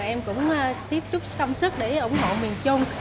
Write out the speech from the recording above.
em cũng tiếp chút sông sức để ủng hộ miền trung